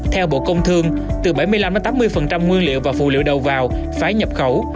theo bộ công thương từ bảy mươi năm tám mươi nguyên liệu và phụ liệu đầu vào phải nhập khẩu